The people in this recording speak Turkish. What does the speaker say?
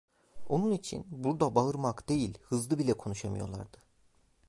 Onun için burada bağırmak değil, hızlı bile konuşamıyorlardı.